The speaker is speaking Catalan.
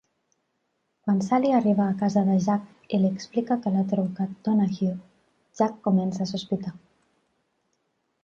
Quan Sally arriba a casa de Jack i li explica que l'ha trucat Donahue, Jack comença a sospitar.